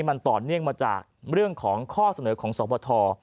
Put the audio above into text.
มันต่อเนื่องมาจากเรื่องของข้อเสนอของสวบท